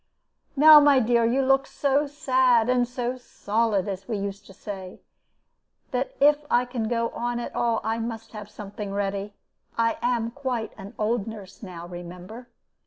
"Now, my dear, you look so sad and so 'solid,' as we used to say, that if I can go on at all, I must have something ready. I am quite an old nurse now, remember.